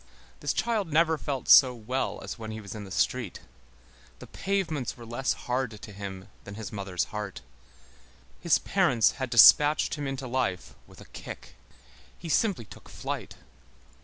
This child never felt so well as when he was in the street. The pavements were less hard to him than his mother's heart. His parents had despatched him into life with a kick. He simply took flight.